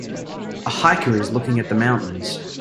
A hiker is looking at the mountains.